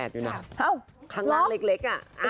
เอ้าล๊อคข้างล่างเล็กอ่ะ